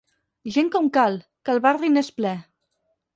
Gent com cal, que el barri n'és ple.